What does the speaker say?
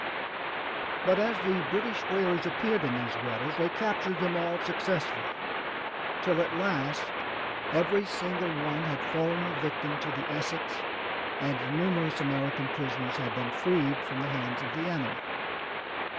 But as the British whalers appeared in these waters, they captured them all successively till at last every single one had fallen a victim to the Essex and numerous American prisoners had been freed from the hands of the enemy.